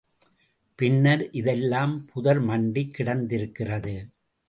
பின்னர் இதெல்லாம் புதர் மண்டிக் கிடந்திருக்கிறது.